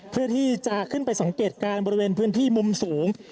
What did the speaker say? เพื่อที่จะขึ้นไปสังเกตการณ์บริเวณพื้นที่มุมสูง